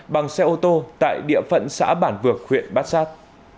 bằng xe ô tô tại địa phận xã bản vược huyện bát sát